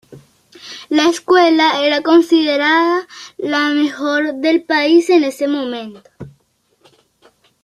La escuela era considerada la mejor del país en ese momento.